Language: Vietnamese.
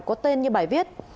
có tên như bài viết